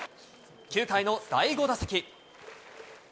９回の第５打席。